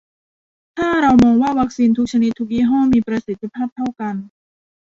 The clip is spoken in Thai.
ถ้าเรามองว่าวัคซีนทุกชนิดทุกยี่ห้อมีประสิทธิภาพเท่ากัน